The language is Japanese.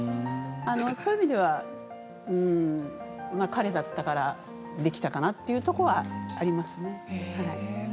そういう意味では彼だったからできたかなというところはありますね。